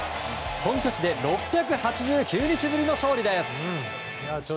本拠地で６８９日ぶりの勝利です。